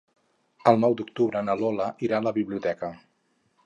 El nou d'octubre na Lola irà a la biblioteca.